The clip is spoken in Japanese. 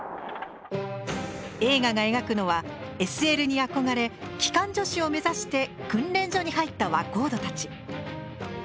映画が描くのはＳＬに憧れ機関助士を目指して訓練所に入った若人たち。